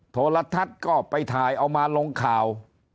โทรทัศน์ก็ไปถ่ายเอามาลงข่าว